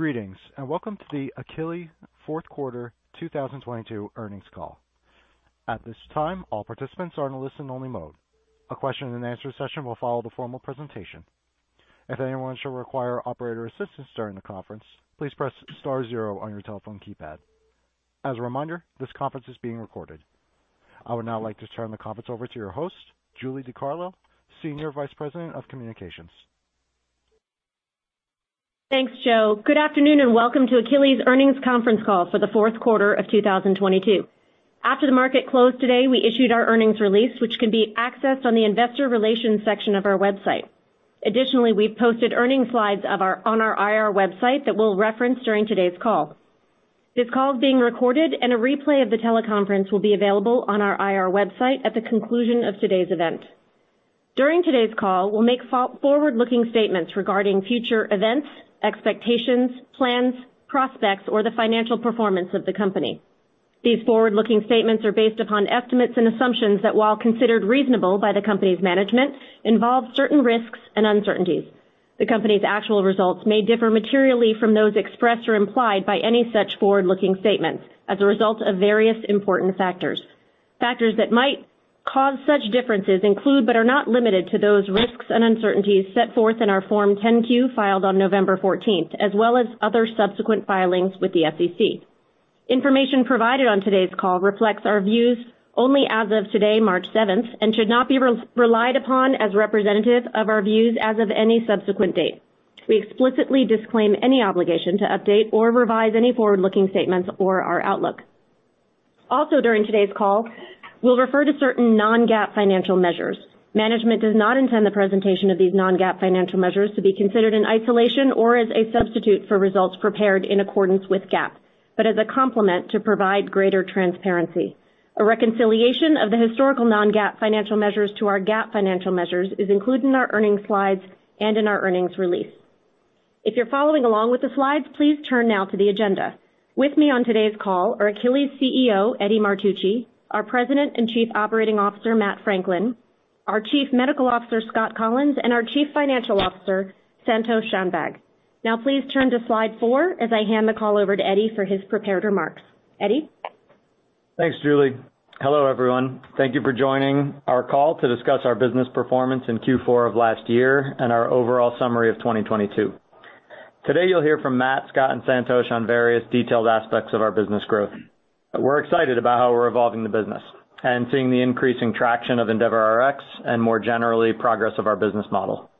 Greetings, welcome to the Akili fourth quarter 2022 earnings call. At this time, all participants are in a listen only mode. A question and answer session will follow the formal presentation. If anyone should require operator assistance during the conference, please press star zero on your telephone keypad. As a reminder, this conference is being recorded. I would now like to turn the conference over to your host, Julie DiCarlo, Senior Vice President of Communications. Thanks, Joe. Good afternoon, welcome to Akili's earnings conference call for the fourth quarter of 2022. After the market closed today, we issued our earnings release, which can be accessed on the investor relations section of our website. Additionally, we've posted earnings slides on our IR website that we'll reference during today's call. This call is being recorded, a replay of the teleconference will be available on our IR website at the conclusion of today's event. During today's call, we'll make forward-looking statements regarding future events, expectations, plans, prospects, or the financial performance of the company. These forward-looking statements are based upon estimates and assumptions that, while considered reasonable by the company's management, involve certain risks and uncertainties. The company's actual results may differ materially from those expressed or implied by any such forward-looking statements as a result of various important factors. Factors that might cause such differences include, but are not limited to, those risks and uncertainties set forth in our Form 10-Q filed on November 14th, as well as other subsequent filings with the SEC. Information provided on today's call reflects our views only as of today, March 7th, and should not be re-relied upon as representative of our views as of any subsequent date. We explicitly disclaim any obligation to update or revise any forward-looking statements or our outlook. Also, during today's call, we'll refer to certain non-GAAP financial measures. Management does not intend the presentation of these non-GAAP financial measures to be considered in isolation or as a substitute for results prepared in accordance with GAAP, but as a complement to provide greater transparency. A reconciliation of the historical non-GAAP financial measures to our GAAP financial measures is included in our earning slides and in our earnings release. If you're following along with the slides, please turn now to the agenda. With me on today's call are Akili's CEO, Eddie Martucci, our President and Chief Operating Officer, Matt Franklin, our Chief Medical Officer, Scott Kollins, and our Chief Financial Officer, Santosh Shanbhag. Please turn to slide four as I hand the call over to Eddie for his prepared remarks. Eddie. Thanks, Julie. Hello, everyone. Thank You for joining our call to discuss our business performance in Q4 of last year and our overall summary of 2022. Today, you'll hear from Matt, Scott, and Santosh on various detailed aspects of our business growth. We're excited about how we're evolving the business and seeing the increasing traction of EndeavorRx and more generally, progress of our business model.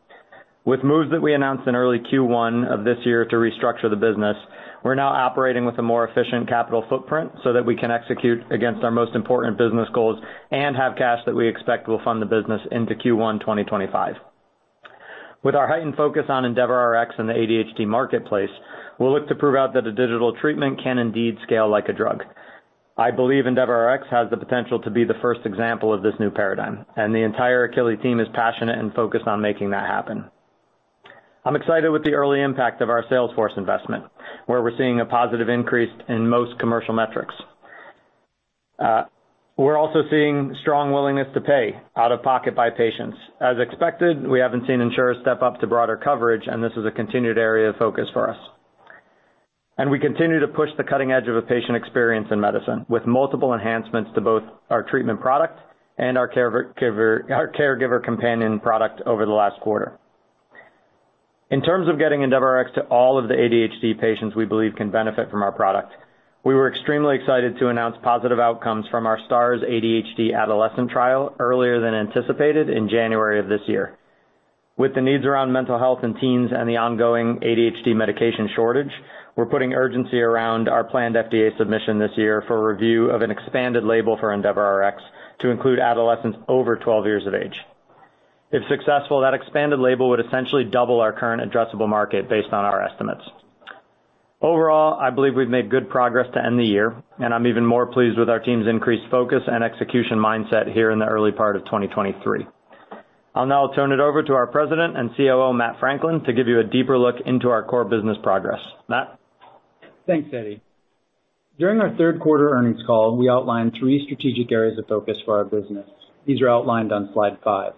With moves that we announced in early Q1 of this year to restructure the business, we're now operating with a more efficient capital footprint so that we can execute against our most important business goals and have cash that we expect will fund the business into Q1 2025. With our heightened focus on EndeavorRx in the ADHD marketplace, we'll look to prove out that a digital treatment can indeed scale like a drug. I believe EndeavorRx has the potential to be the first example of this new paradigm. The entire Akili team is passionate and focused on making that happen. I'm excited with the early impact of our sales force investment, where we're seeing a positive increase in most commercial metrics. We're also seeing strong willingness to pay out of pocket by patients. As expected, we haven't seen insurers step up to broader coverage. This is a continued area of focus for us. We continue to push the cutting edge of a patient experience in medicine with multiple enhancements to both our treatment product and our caregiver companion product over the last quarter. In terms of getting EndeavorRx to all of the ADHD patients we believe can benefit from our product, we were extremely excited to announce positive outcomes from our STARS ADHD adolescent trial earlier than anticipated in January of this year. With the needs around mental health in teens and the ongoing ADHD medication shortage, we're putting urgency around our planned FDA submission this year for review of an expanded label for EndeavorRx to include adolescents over 12 years of age. If successful, that expanded label would essentially double our current addressable market based on our estimates. Overall, I believe we've made good progress to end the year, and I'm even more pleased with our team's increased focus and execution mindset here in the early part of 2023. I'll now turn it over to our President and COO, Matt Franklin, to give you a deeper look into our core business progress. Matt. Thanks, Eddie. During our third quarter earnings call, we outlined three strategic areas of focus for our business. These are outlined on slide five.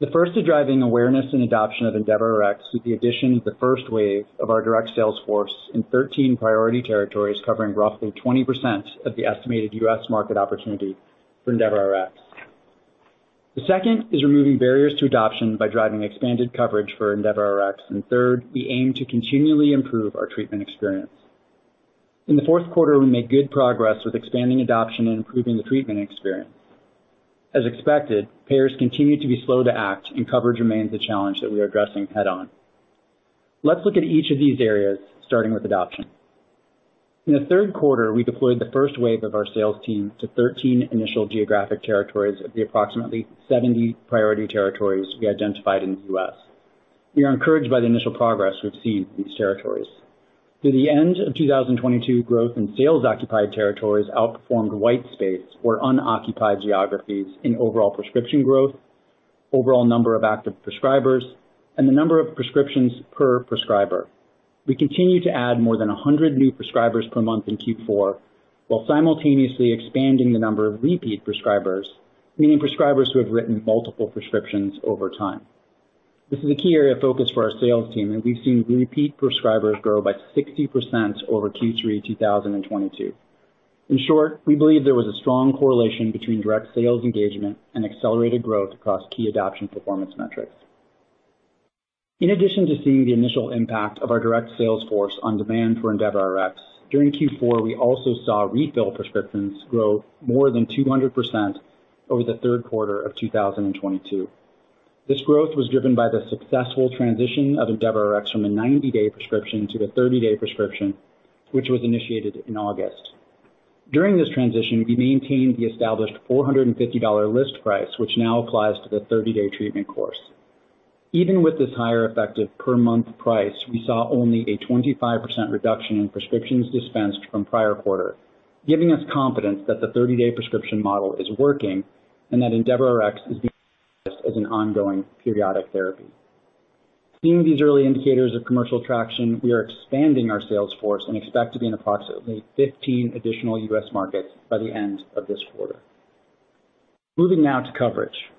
The first is driving awareness and adoption of EndeavorRx with the addition of the first wave of our direct sales force in 13 priority territories, covering roughly 20% of the estimated U.S. market opportunity for EndeavorRx. The second is removing barriers to adoption by driving expanded coverage for EndeavorRx. Third, we aim to continually improve our treatment experience. In the fourth quarter, we made good progress with expanding adoption and improving the treatment experience. As expected, payers continue to be slow to act and coverage remains a challenge that we are addressing head on. Let's look at each of these areas, starting with adoption. In the third quarter, we deployed the first wave of our sales team to 13 initial geographic territories of the approximately 70 priority territories we identified in the US. We are encouraged by the initial progress we've seen in these territories. Through the end of 2022, growth in sales occupied territories outperformed white space or unoccupied geographies in overall prescription growth, overall number of active prescribers, and the number of prescriptions per prescriber. We continue to add more than 100 new prescribers per month in Q4.While simultaneously expanding the number of repeat prescribers, meaning prescribers who have written multiple prescriptions over time. This is a key area of focus for our sales team, and we've seen repeat prescribers grow by 60% over Q3-2022. In short, we believe there was a strong correlation between direct sales engagement and accelerated growth across key adoption performance metrics. In addition to seeing the initial impact of our direct sales force on demand for EndeavorRx, during Q4, we also saw refill prescriptions grow more than 200% over the third quarter of 2022. This growth was driven by the successful transition of EndeavorRx from a 90-day prescription to the 30-day prescription, which was initiated in August. During this transition, we maintained the established $450 list price, which now applies to the 30-day treatment course. Even with this higher effective per month price, we saw only a 25% reduction in prescriptions dispensed from prior quarter, giving us confidence that the 30-day prescription model is working and that EndeavorRx is being used as an ongoing periodic therapy. Seeing these early indicators of commercial traction, we are expanding our sales force and expect to be in approximately 15 additional U.S. markets by the end of this quarter. Moving now to coverage.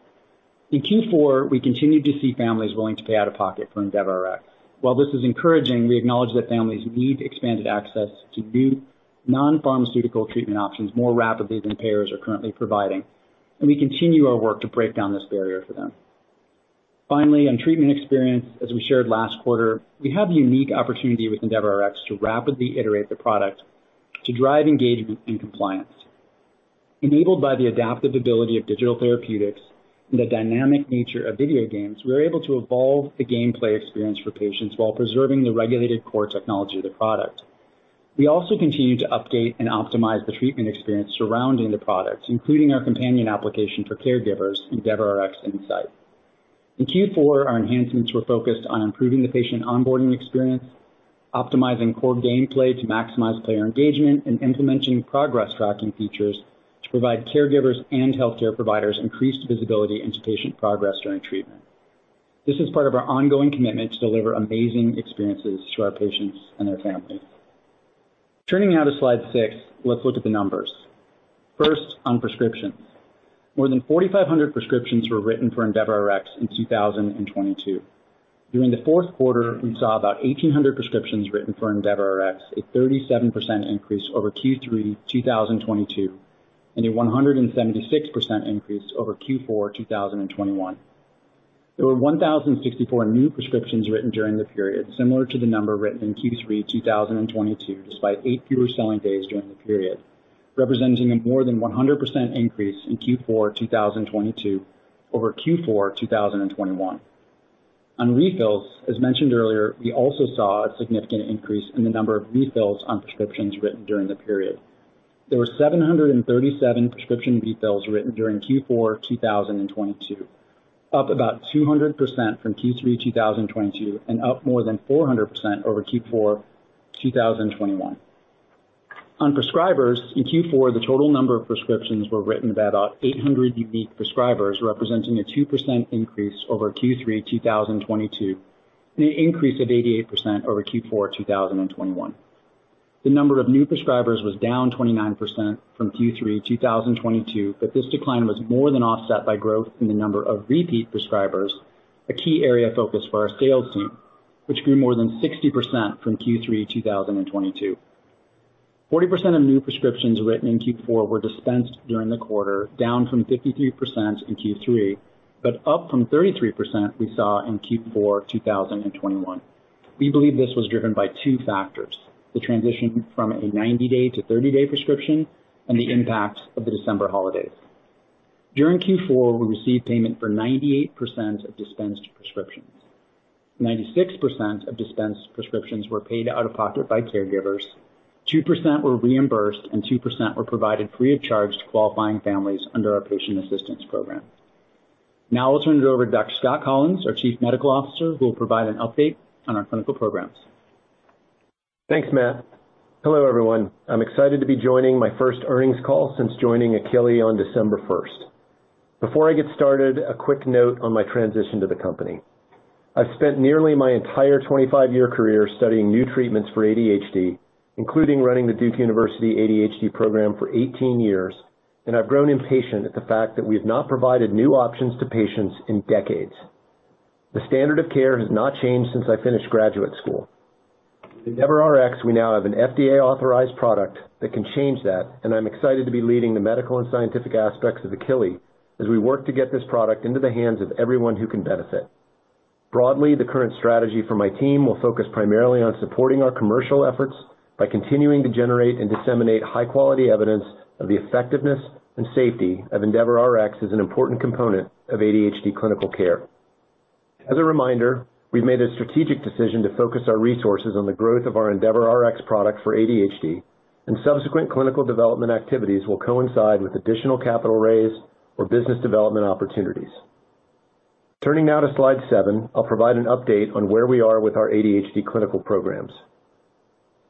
In Q4, we continued to see families willing to pay out-of-pocket for EndeavorRx. While this is encouraging, we acknowledge that families need expanded access to new non-pharmaceutical treatment options more rapidly than payers are currently providing, and we continue our work to break down this barrier for them. Finally, on treatment experience, as we shared last quarter, we have the unique opportunity with EndeavorRx to rapidly iterate the product to drive engagement and compliance. Enabled by the adaptive ability of digital therapeutics and the dynamic nature of video games, we are able to evolve the gameplay experience for patients while preserving the regulated core technology of the product. We also continue to update and optimize the treatment experience surrounding the product, including our companion application for caregivers, EndeavorRx Insight. In Q4, our enhancements were focused on improving the patient onboarding experience, optimizing core gameplay to maximize player engagement, and implementing progress tracking features to provide caregivers and healthcare providers increased visibility into patient progress during treatment. This is part of our ongoing commitment to deliver amazing experiences to our patients and their families. Turning now to slide 6, let's look at the numbers. First on prescriptions. More than 4,500 prescriptions were written for EndeavorRx in 2022. During the fourth quarter, we saw about 1,800 prescriptions written for EndeavorRx, a 37% increase over Q3 2022, and a 176% increase over Q4 2021. There were 1,064 new prescriptions written during the period, similar to the number written in Q3 2022, despite eight fewer selling days during the period, representing a more than 100% increase in Q4 2022 over Q4 2021. On refills, as mentioned earlier, we also saw a significant increase in the number of refills on prescriptions written during the period. There were 737 prescription refills written during Q4 2022, up about 200% from Q3 2022 and up more than 400% over Q4 2021. On prescribers, in Q4, the total number of prescriptions were written by about 800 unique prescribers, representing a 2% increase over Q3 2022, and an increase of 88% over Q4 2021. The number of new prescribers was down 29% from Q3 2022. This decline was more than offset by growth in the number of repeat prescribers, a key area of focus for our sales team, which grew more than 60% from Q3 2022. 40% of new prescriptions written in Q4 were dispensed during the quarter, down from 53% in Q3, but up from 33% we saw in Q4 2021. We believe this was driven by two factors, the transition from a 90-day to 30-day prescription and the impact of the December holidays. During Q4, we received payment for 98% of dispensed prescriptions. 96% of dispensed prescriptions were paid out-of-pocket by caregivers, 2% were reimbursed, and 2% were provided free of charge to qualifying families under our patient assistance program. Now I'll turn it over to Dr. Scott Kollins, our Chief Medical Officer, who will provide an update on our clinical programs. Thanks, Matt. Hello, everyone. I'm excited to be joining my first earnings call since joining Akili on December first. Before I get started, a quick note on my transition to the company. I've spent nearly my entire 25-year career studying new treatments for ADHD, including running the Duke University ADHD program for 18 years. I've grown impatient at the fact that we have not provided new options to patients in decades. The standard of care has not changed since I finished graduate school. With EndeavorRx, we now have an FDA-authorized product that can change that. I'm excited to be leading the medical and scientific aspects of Akili as we work to get this product into the hands of everyone who can benefit. Broadly, the current strategy for my team will focus primarily on supporting our commercial efforts by continuing to generate and disseminate high-quality evidence of the effectiveness and safety of EndeavorRx as an important component of ADHD clinical care. As a reminder, we've made a strategic decision to focus our resources on the growth of our EndeavorRx product for ADHD and subsequent clinical development activities will coincide with additional capital raised or business development opportunities. Turning now to slide seven, I'll provide an update on where we are with our ADHD clinical programs.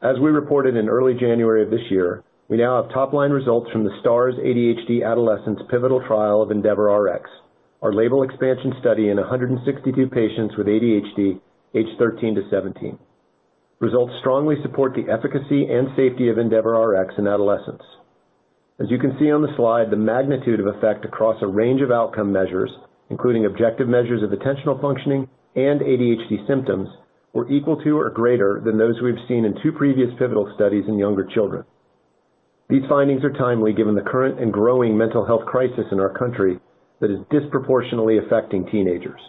As we reported in early January of this year, we now have top-line results from the STARS-ADHD adolescence pivotal trial of EndeavorRx. Our label expansion study in 162 patients with ADHD, aged 13 to 17. Results strongly support the efficacy and safety of EndeavorRx in adolescents. As you can see on the slide, the magnitude of effect across a range of outcome measures, including objective measures of attentional functioning and ADHD symptoms, were equal to or greater than those we've seen in two previous pivotal studies in younger children. These findings are timely, given the current and growing mental health crisis in our country that is disproportionately affecting teenagers.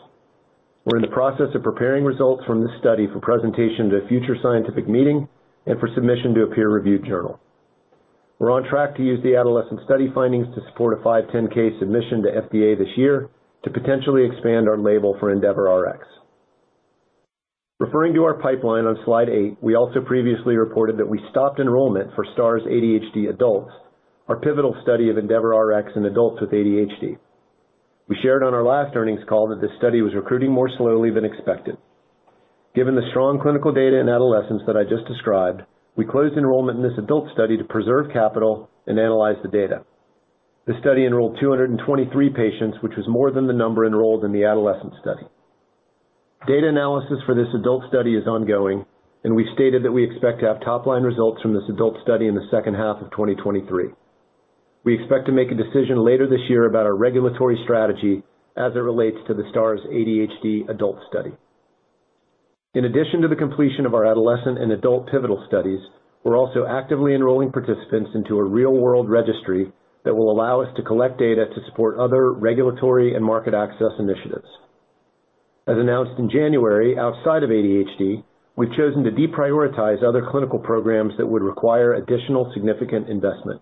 We're in the process of preparing results from this study for presentation to a future scientific meeting and for submission to a peer-reviewed journal. We're on track to use the adolescent study findings to support a 510(k) submission to FDA this year to potentially expand our label for EndeavorRx. Referring to our pipeline on slide eight, we also previously reported that we stopped enrollment for STARS-ADHD-Adult, our pivotal study of EndeavorRx in adults with ADHD. We shared on our last earnings call that this study was recruiting more slowly than expected. Given the strong clinical data in adolescents that I just described, we closed enrollment in this adult study to preserve capital and analyze the data. The study enrolled 223 patients, which was more than the number enrolled in the adolescent study. Data analysis for this adult study is ongoing, and we stated that we expect to have top-line results from this adult study in the second half of 2023. We expect to make a decision later this year about our regulatory strategy as it relates to the STARS-ADHD-Adult study. In addition to the completion of our adolescent and adult pivotal studies, we're also actively enrolling participants into a real-world registry that will allow us to collect data to support other regulatory and market access initiatives. As announced in January, outside of ADHD, we've chosen to deprioritize other clinical programs that would require additional significant investment.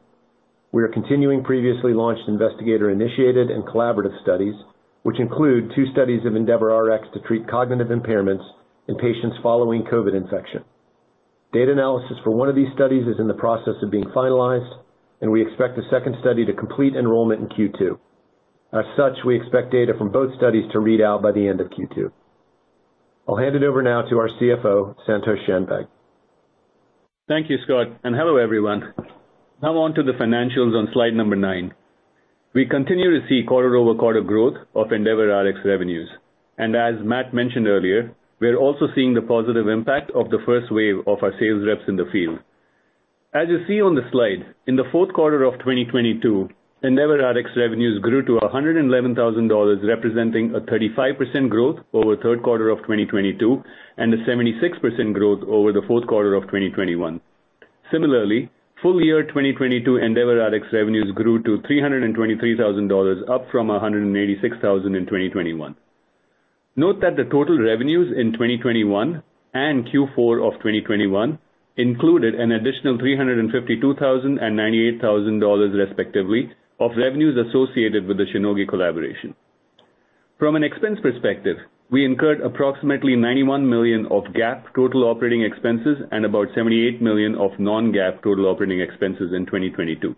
We are continuing previously launched investigator-initiated and collaborative studies, which include two studies of EndeavorRx to treat cognitive impairments in patients following COVID infection. Data analysis for one of these studies is in the process of being finalized, and we expect the second study to complete enrollment in Q2. We expect data from both studies to read out by the end of Q2. I'll hand it over now to our CFO, Santosh Shanbhag. Thank you, Scott, and hello, everyone. Now on to the financials on slide number 9. We continue to see quarter-over-quarter growth of EndeavorRx revenues. As Matt mentioned earlier, we are also seeing the positive impact of the first wave of our sales reps in the field. As you see on the slide, in the 4th quarter of 2022, EndeavorRx revenues grew to $111,000, representing a 35% growth over 3rd quarter of 2022, and a 76% growth over the 4th quarter of 2021. Similarly, full year 2022 EndeavorRx revenues grew to $323,000, up from $186,000 in 2021. Note that the total revenues in 2021 and Q4 of 2021 included an additional $352,000 and $98,000, respectively, of revenues associated with the Shionogi collaboration. From an expense perspective, we incurred approximately $91 million of GAAP total operating expenses and about $78 million of non-GAAP total operating expenses in 2022.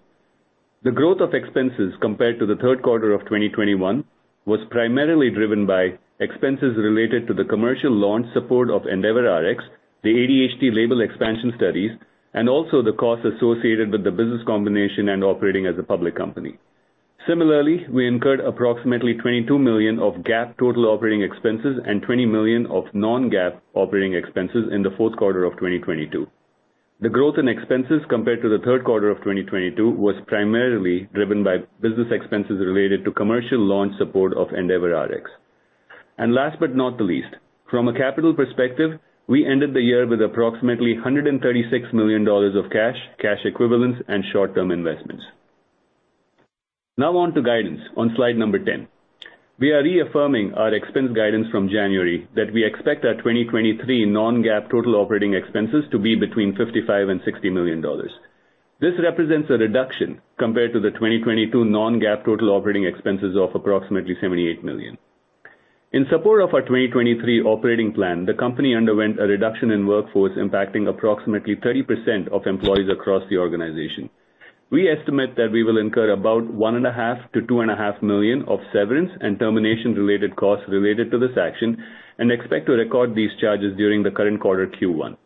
The growth of expenses compared to the third quarter of 2021 was primarily driven by expenses related to the commercial launch support of EndeavorRx, the ADHD label expansion studies, and also the costs associated with the business combination and operating as a public company. We incurred approximately $22 million of GAAP total operating expenses and $20 million of non-GAAP operating expenses in the fourth quarter of 2022. The growth in expenses compared to the third quarter of 2022 was primarily driven by business expenses related to commercial launch support of EndeavorRx. Last but not the least, from a capital perspective, we ended the year with approximately $136 million of cash equivalents, and short-term investments. Now on to guidance on slide number 10. We are reaffirming our expense guidance from January that we expect our 2023 non-GAAP total operating expenses to be between $55 million and $60 million. This represents a reduction compared to the 2022 non-GAAP total operating expenses of approximately $78 million. In support of our 2023 operating plan, the company underwent a reduction in workforce, impacting approximately 30% of employees across the organization. We estimate that we will incur about one and a half to two and a half million of severance and termination related costs related to this action and expect to record these charges during the current quarter Q1.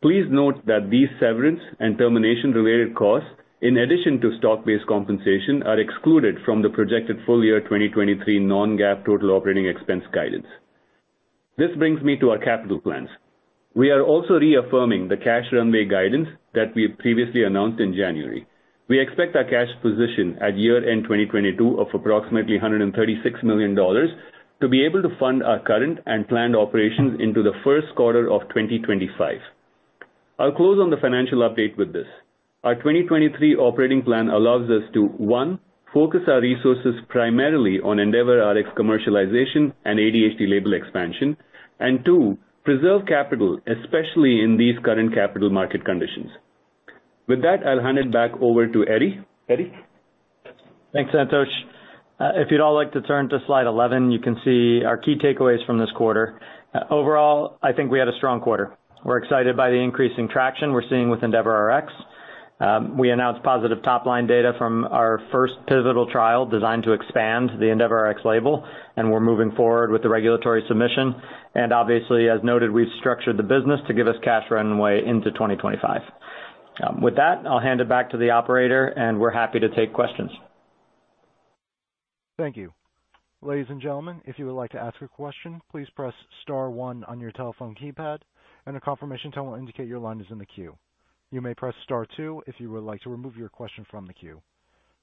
Please note that these severance and termination related costs, in addition to stock-based compensation, are excluded from the projected full year 2023 non-GAAP total operating expense guidance. This brings me to our capital plans. We are also reaffirming the cash runway guidance that we previously announced in January. We expect our cash position at year end 2022 of approximately $136 million to be able to fund our current and planned operations into the first quarter of 2025. I'll close on the financial update with this. Our 2023 operating plan allows us to, 1, focus our resources primarily on EndeavorRx commercialization and ADHD label expansion and 2, preserve capital, especially in these current capital market conditions. With that, I'll hand it back over to Eddie. Eddie? Thanks, Santosh. If you'd all like to turn to slide 11, you can see our key takeaways from this quarter. Overall, I think we had a strong quarter. We're excited by the increasing traction we're seeing with EndeavorRx. We announced positive top-line data from our first pivotal trial designed to expand the EndeavorRx label, and we're moving forward with the regulatory submission. Obviously, as noted, we've structured the business to give us cash runway into 2025. With that, I'll hand it back to the operator, and we're happy to take questions. Thank you. Ladies and gentlemen, if you would like to ask a question, please press star one on your telephone keypad and a confirmation tone will indicate your line is in the queue. You may press star two if you would like to remove your question from the queue.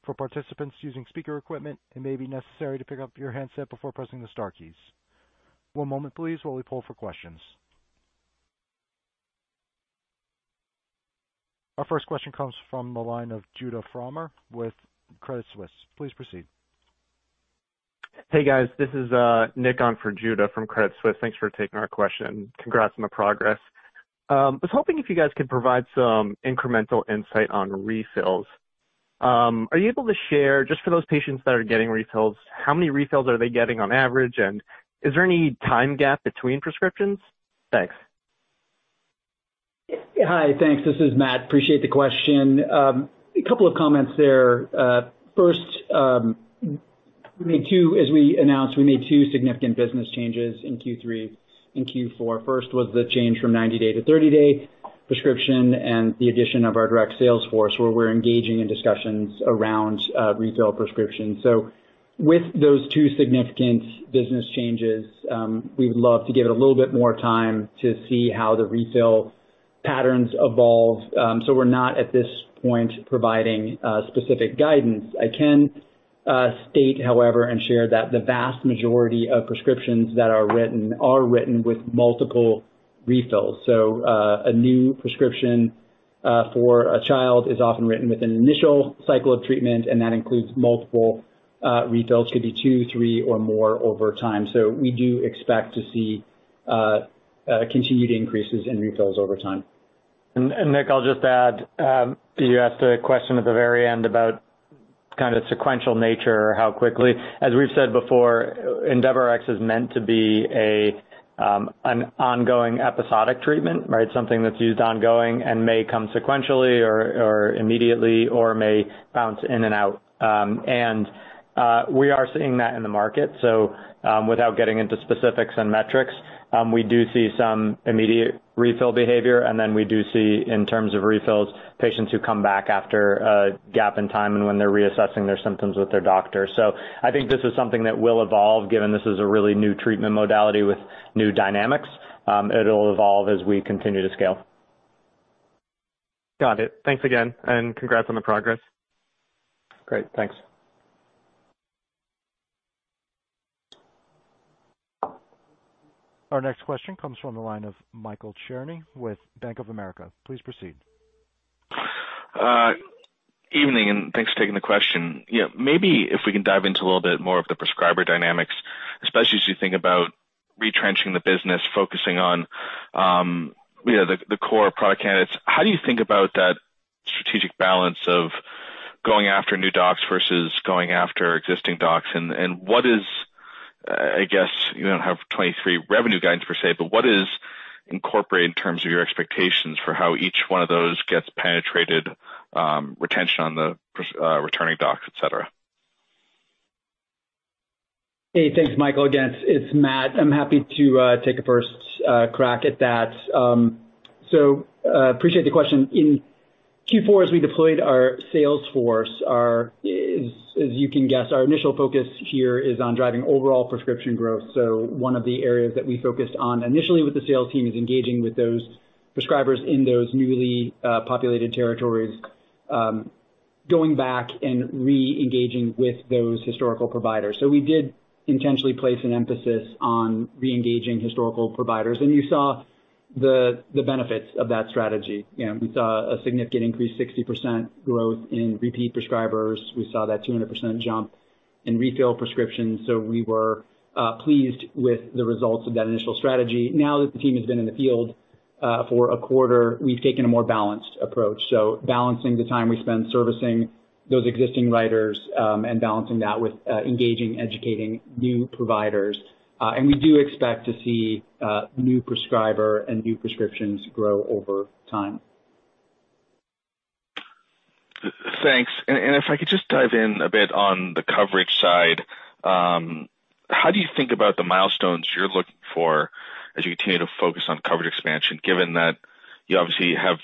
For participants using speaker equipment, it may be necessary to pick up your handset before pressing the star keys. One moment please, while we poll for questions. Our first question comes from the line of Judah Frommer with Credit Suisse. Please proceed. Hey, guys. This is Nick on for Judah from Credit Suisse. Thanks for taking our question. Congrats on the progress. I was hoping if you guys could provide some incremental insight on refills. Are you able to share just for those patients that are getting refills, how many refills are they getting on average? Is there any time gap between prescriptions? Thanks. Hi. Thanks. This is Matt. Appreciate the question. A couple of comments there. First, as we announced, we made two significant business changes in Q3 and Q4. First was the change from 90-day to 30-day prescription and the addition of our direct sales force, where we're engaging in discussions around refill prescriptions. With those two significant business changes, we would love to give it a little bit more time to see how the refill patterns evolve. We're not at this point providing specific guidance. I can state, however, and share that the vast majority of prescriptions that are written are written with multiple refills. A new prescription for a child is often written with an initial cycle of treatment, and that includes multiple refills. Could be two, three, or more over time. We do expect to see, continued increases in refills over time. Nick, I'll just add, you asked a question at the very end about kind of sequential nature or how quickly. As we've said before, EndeavorRx is meant to be an ongoing episodic treatment, right? Something that's used ongoing and may come sequentially or immediately or may bounce in and out. We are seeing that in the market. Without getting into specifics and metrics, we do see some immediate refill behavior, and then we do see, in terms of refills, patients who come back after a gap in time and when they're reassessing their symptoms with their doctor. I think this is something that will evolve, given this is a really new treatment modality with new dynamics. It'll evolve as we continue to scale. Got it. Thanks again, and congrats on the progress. Great. Thanks. Our next question comes from the line of Michael Cherny with Bank of America. Please proceed. Evening, thanks for taking the question. Yeah, maybe if we can dive into a little bit more of the prescriber dynamics, especially as you think about retrenching the business, focusing on, you know, the core product candidates? How do you think about that strategic balance of going after new docs versus going after existing docs? What is, I guess you don't have 2023 revenue guidance, per se, but what is incorporated in terms of your expectations for how each one of those gets penetrated, retention on the returning docs, et cetera? Hey, thanks, Michael. Again, it's Matt. I'm happy to take a first crack at that. Appreciate the question. In Q4, as we deployed our sales force, as you can guess, our initial focus here is on driving overall prescription growth. One of the areas that we focused on initially with the sales team is engaging with those prescribers in those newly populated territories, going back and re-engaging with those historical providers. We did intentionally place an emphasis on re-engaging historical providers, and you saw the benefits of that strategy. You know, we saw a significant increase, 60% growth in repeat prescribers. We saw that 200% jump in refill prescriptions, so we were pleased with the results of that initial strategy. Now that the team has been in the field, for a quarter, we've taken a more balanced approach. Balancing the time we spend servicing those existing prescribers, and balancing that with, engaging, educating new providers. We do expect to see, new prescriber and new prescriptions grow over time. Thanks. If I could just dive in a bit on the coverage side, how do you think about the milestones you're looking for as you continue to focus on coverage expansion, given that you obviously have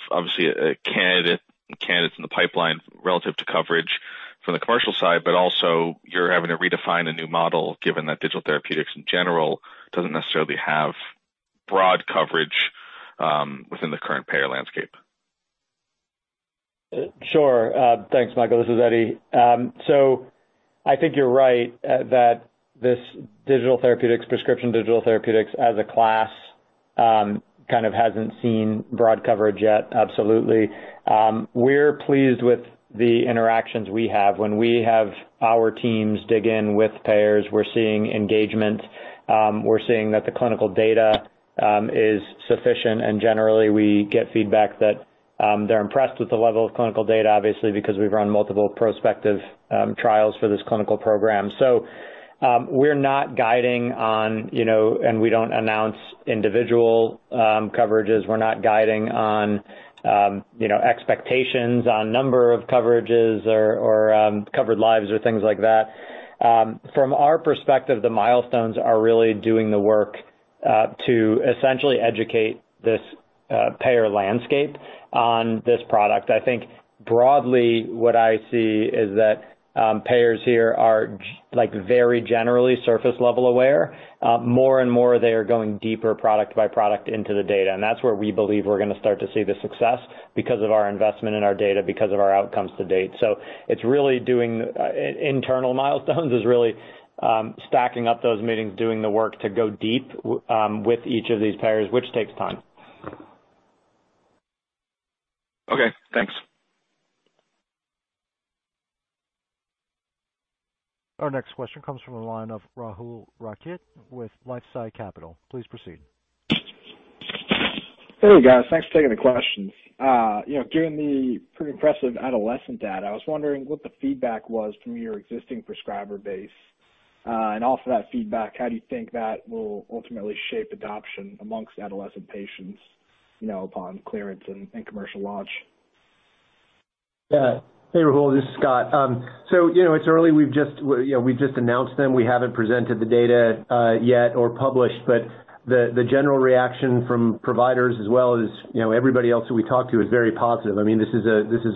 candidates in the pipeline relative to coverage from the commercial side, but also you're having to redefine a new model given that digital therapeutics in general doesn't necessarily have broad coverage within the current payer landscape? Sure. Thanks, Michael. This is Eddie. I think you're right that this digital therapeutics, prescription digital therapeutics as a class, kind of hasn't seen broad coverage yet, absolutely. We're pleased with the interactions we have. When we have our teams dig in with payers, we're seeing engagement. We're seeing that the clinical data is sufficient, and generally, we get feedback that they're impressed with the level of clinical data, obviously, because we've run multiple prospective trials for this clinical program. We're not guiding on, you know, and we don't announce individual coverages. We're not guiding on, you know, expectations on number of coverages or, covered lives or things like that. From our perspective, the milestones are really doing the work to essentially educate this payer landscape on this product. I think broadly what I see is that payers here are like very generally surface level aware. More and more, they are going deeper product by product into the data, and that's where we believe we're gonna start to see the success because of our investment in our data, because of our outcomes to date. It's really doing internal milestones is really stacking up those meetings, doing the work to go deep with each of these payers, which takes time. Okay, thanks. Our next question comes from the line of Rahul Rakhit with LifeSci Capital. Please proceed. Hey, guys. Thanks for taking the questions. You know, given the pretty impressive adolescent data, I was wondering what the feedback was from your existing prescriber base? Off of that feedback, how do you think that will ultimately shape adoption amongst adolescent patients, you know, upon clearance and commercial launch? Yeah. Hey, Rahul, this is Scott. You know, it's early. We've just, you know, we've just announced them. We haven't presented the data yet or published. The general reaction from providers as well as, you know, everybody else who we talk to is very positive. I mean, this is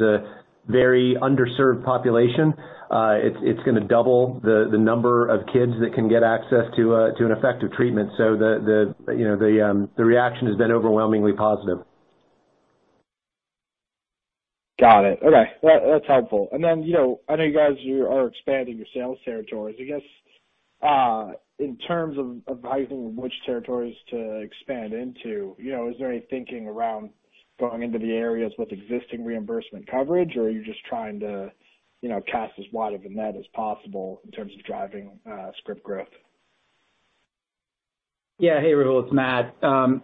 a very underserved population. It's gonna double the number of kids that can get access to an effective treatment. The, you know, the reaction has been overwhelmingly positive. Got it. Okay. Well, that's helpful. You know, I know you guys you are expanding your sales territories. I guess, in terms of how you think of which territories to expand into, you know, is there any thinking around going into the areas with existing reimbursement coverage, or are you just trying to, you know, cast as wide of a net as possible in terms of driving script growth? Yeah. Hey, Rahul, it's Matt.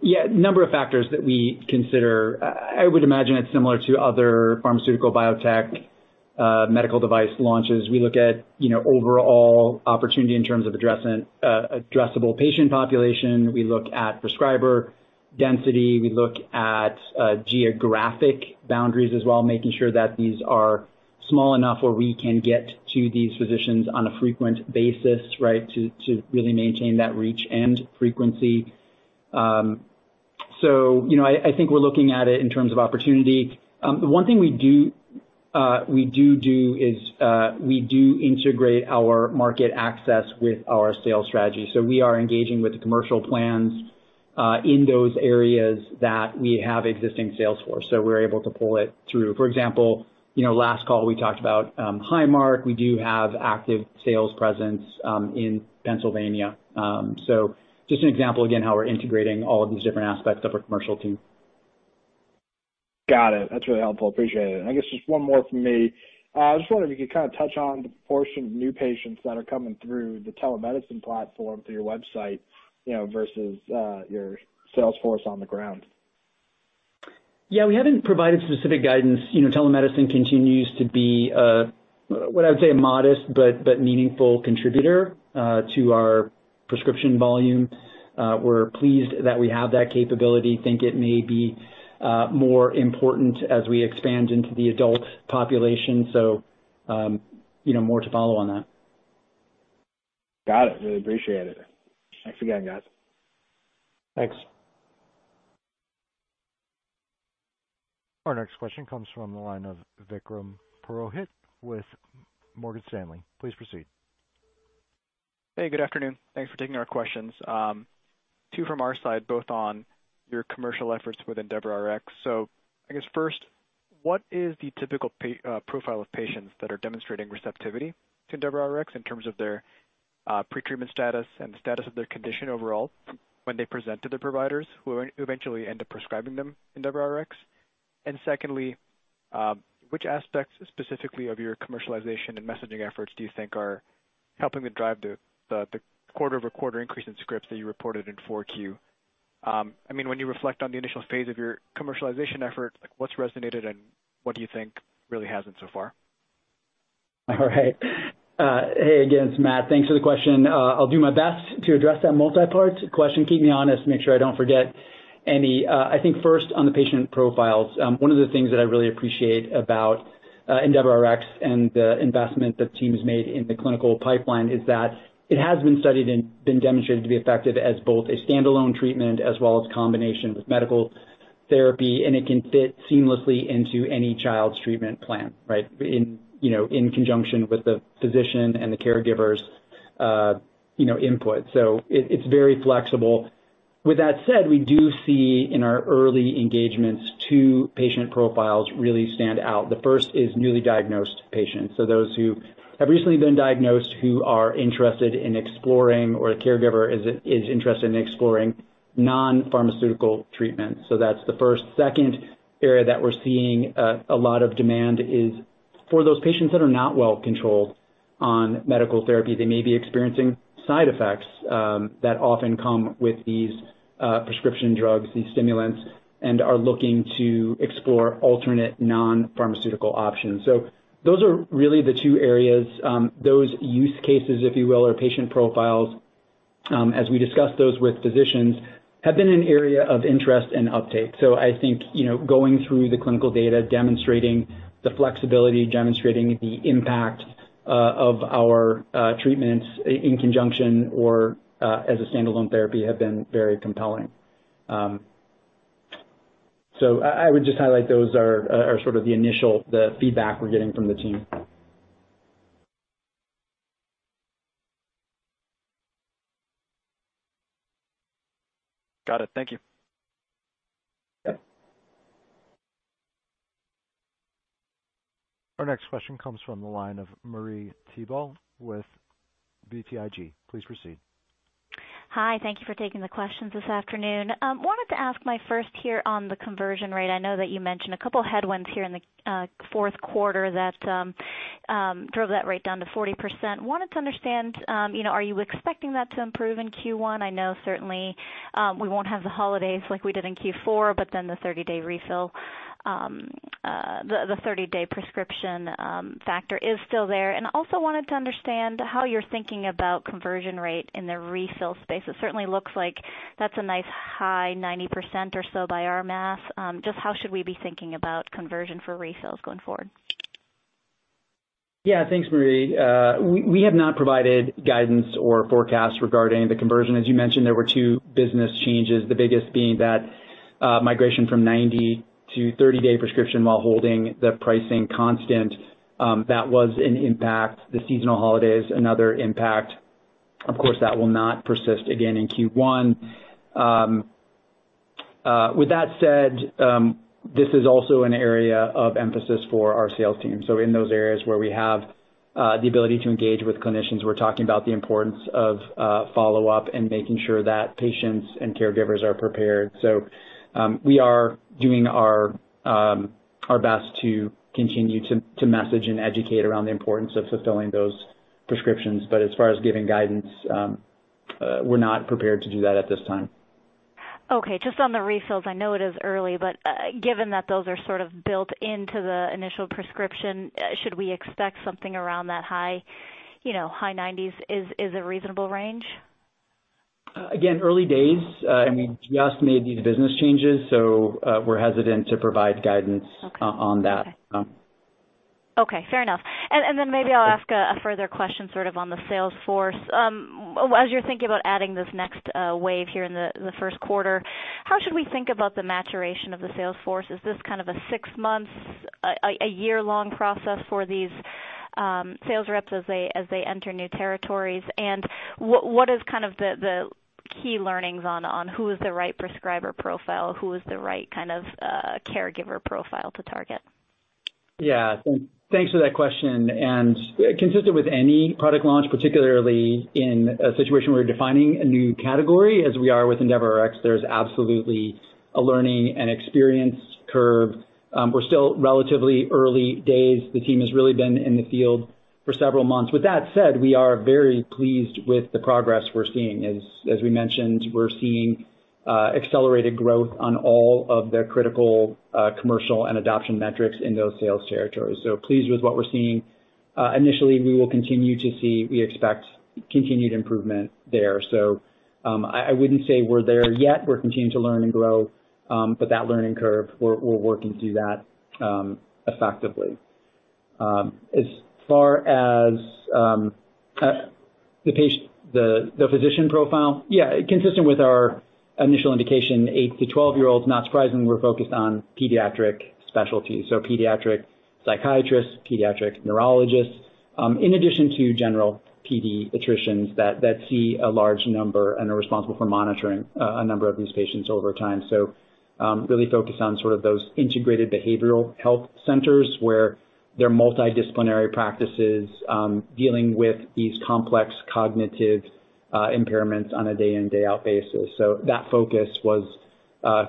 Yeah, a number of factors that we consider. I would imagine it's similar to other pharmaceutical biotech, medical device launches. We look at, you know, overall opportunity in terms of addressable patient population. We look at prescriber density. We look at geographic boundaries as well, making sure that these are small enough where we can get to these physicians on a frequent basis, right, to really maintain that reach and frequency. You know, I think we're looking at it in terms of opportunity. The one thing we do, we do is, we do integrate our market access with our sales strategy. We are engaging with the commercial plans, in those areas that we have existing sales force, so we're able to pull it through. For example, you know, last call we talked about, Highmark. We do have active sales presence, in Pennsylvania. Just an example again how we're integrating all of these different aspects of our commercial team. Got it. That's really helpful. Appreciate it. I guess just one more from me. I just wonder if you could kinda touch on the portion of new patients that are coming through the telemedicine platform through your website, you know, versus your sales force on the ground? Yeah, we haven't provided specific guidance. You know, telemedicine continues to be a, what I would say, a modest but meaningful contributor, to our prescription volume. We're pleased that we have that capability. Think it may be, more important as we expand into the adult population. You know, more to follow on that. Got it. Really appreciate it. Thanks again, guys. Thanks. Our next question comes from the line of Vikram Purohit with Morgan Stanley. Please proceed. Hey, good afternoon. Thanks for taking our questions. Two from our side, both on your commercial efforts with EndeavorRx. I guess first, what is the typical profile of patients that are demonstrating receptivity to EndeavorRx in terms of their pretreatment status and the status of their condition overall when they present to the providers who eventually end up prescribing them EndeavorRx? Secondly, which aspects specifically of your commercialization and messaging efforts do you think are helping to drive the quarter-over-quarter increase in scripts that you reported in 4Q? I mean, when you reflect on the initial phase of your commercialization efforts, like what's resonated and what do you think really hasn't so far? All right. Hey again, it's Matt. Thanks for the question. I'll do my best to address that multi-part question. Keep me honest, make sure I don't forget any. I think first on the patient profiles, one of the things that I really appreciate about EndeavorRx and the investment that the team has made in the clinical pipeline is that it has been studied and been demonstrated to be effective as both a standalone treatment as well as combination with medical therapy, and it can fit seamlessly into any child's treatment plan, right? In, you know, in conjunction with the physician and the caregiver's, you know, input. It, it's very flexible. With that said, we do see in our early engagements, two patient profiles really stand out. The first is newly diagnosed patients, so those who have recently been diagnosed who are interested in exploring, or a caregiver is interested in exploring non-pharmaceutical treatments. That's the first. Second area that we're seeing a lot of demand is for those patients that are not well controlled on medical therapy. They may be experiencing side effects that often come with these prescription drugs, these stimulants, and are looking to explore alternate non-pharmaceutical options. Those are really the two areas. Those use cases, if you will, or patient profiles, as we discuss those with physicians, have been an area of interest and update. I think, you know, going through the clinical data, demonstrating the flexibility, demonstrating the impact of our treatments in conjunction or as a standalone therapy have been very compelling. I would just highlight those are sort of the initial feedback we're getting from the team. Got it. Thank you. Yeah. Our next question comes from the line of Marie Thibault with BTIG. Please proceed. Hi. Thank you for taking the questions this afternoon. Wanted to ask my first here on the conversion rate. I know that you mentioned a couple headwinds here in the fourth quarter that drove that rate down to 40%. Wanted to understand, you know, are you expecting that to improve in Q1? I know certainly, we won't have the holidays like we did in Q4, but then the 30-day refill, the 30-day prescription factor is still there. Also wanted to understand how you're thinking about conversion rate in the refill space. It certainly looks like that's a nice high 90% or so by our math. Just how should we be thinking about conversion for refills going forward? Yeah. Thanks, Marie. We have not provided guidance or forecasts regarding the conversion. As you mentioned, there were two business changes, the biggest being that migration from 90 to 30-day prescription while holding the pricing constant. That was an impact. The seasonal holiday is another impact. Of course, that will not persist again in Q1. With that said, this is also an area of emphasis for our sales team. In those areas where we have the ability to engage with clinicians, we're talking about the importance of follow-up and making sure that patients and caregivers are prepared. We are doing our best to continue to message and educate around the importance of fulfilling those prescriptions. As far as giving guidance, we're not prepared to do that at this time. Okay. Just on the refills, I know it is early, but given that those are sort of built into the initial prescription, should we expect something around that high, you know, high 90s is a reasonable range? Again, early days. We just made these business changes, so, we're hesitant to provide guidance. Okay. On that. Okay. Fair enough. Then maybe I'll ask a further question sort of on the sales force. As you're thinking about adding this next wave here in the first quarter, how should we think about the maturation of the sales force? Is this kind of a six months, a year-long process for these sales reps as they enter new territories? What is kind of the key learnings on who is the right prescriber profile? Who is the right kind of caregiver profile to target? Yeah. Thanks for that question. Consistent with any product launch, particularly in a situation where you're defining a new category as we are with EndeavorRx, there's absolutely a learning and experience curve. We're still relatively early days. The team has really been in the field for several months. With that said, we are very pleased with the progress we're seeing. As we mentioned, we're seeing accelerated growth on all of the critical commercial and adoption metrics in those sales territories. Pleased with what we're seeing. Initially, we will continue to see, we expect continued improvement there. I wouldn't say we're there yet. We're continuing to learn and grow. That learning curve, we're working through that effectively. As far as the physician profile, yeah, consistent with our initial indication, eight to 12-year-olds, not surprisingly, we're focused on pediatric specialties, so pediatric psychiatrists, pediatric neurologists, in addition to general PD attritions that see a large number and are responsible for monitoring a number of these patients over time. Really focused on sort of those integrated behavioral health centers, where they're multidisciplinary practices, dealing with these complex cognitive impairments on a day in, day out basis. That focus was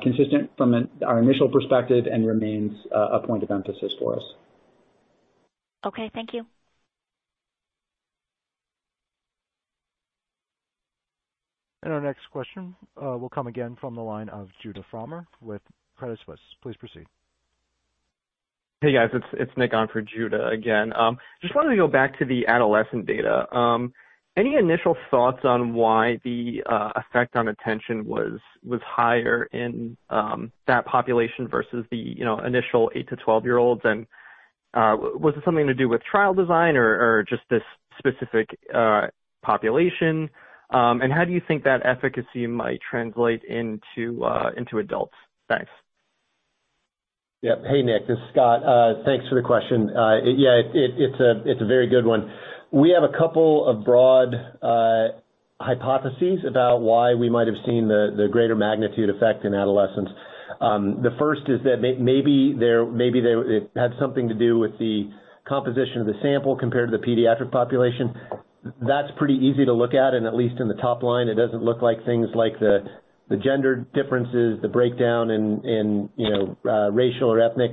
consistent from our initial perspective and remains a point of emphasis for us. Okay, thank you. Our next question will come again from the line of Judah Frommer with Credit Suisse. Please proceed. Hey, guys, it's Nick on for Judah again. Just wanted to go back to the adolescent data. Any initial thoughts on why the effect on attention was higher in that population versus the, you know, initial eight-12-year-olds? Was it something to do with trial design or just this specific population? How do you think that efficacy might translate into adults? Thanks. Yep. Hey, Nick, this is Scott. Thanks for the question. Yeah, it's a very good one. We have a couple of broad hypotheses about why we might have seen the greater magnitude effect in adolescents. The first is that it had something to do with the composition of the sample compared to the pediatric population. That's pretty easy to look at. At least in the top line, it doesn't look like things like the gender differences, the breakdown in, you know, racial or ethnic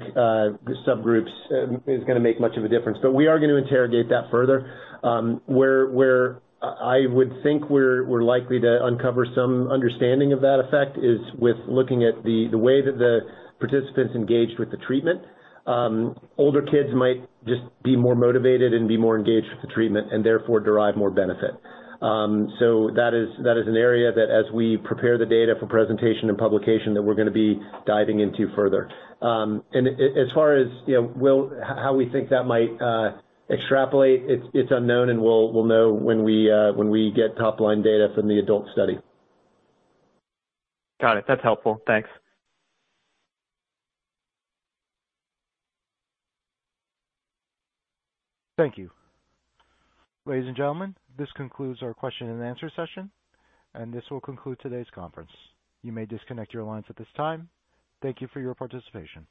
subgroups, is gonna make much of a difference. We are gonna interrogate that further. Where I would think we're likely to uncover some understanding of that effect is with looking at the way that the participants engaged with the treatment. Older kids might just be more motivated and be more engaged with the treatment and therefore derive more benefit. That is, that is an area that as we prepare the data for presentation and publication, that we're gonna be diving into further. As far as, you know, how we think that might extrapolate, it's unknown, and we'll know when we get top-line data from the adult study. Got it. That's helpful. Thanks. Thank you. Ladies and gentlemen, this concludes our question and answer session, and this will conclude today's conference. You may disconnect your lines at this time. Thank you for your participation.